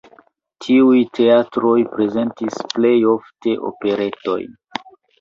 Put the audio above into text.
Tiuj teatroj prezentis plej ofte operetojn.